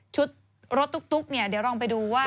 รถตุ๊กเนี่ยเดี๋ยวลองไปดูว่า